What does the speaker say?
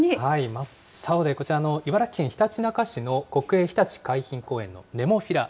真っ青で、こちら、茨城県ひたちなか市の国営ひたち海浜公園のネモフィラ。